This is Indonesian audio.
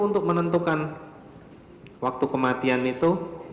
untuk menentukan waktu kematian itu